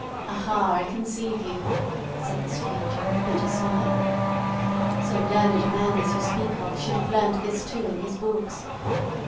—aha!—I conceive you," said the stranger with a bitter smile. "So learned a man as you speak of should have learned this too in his books.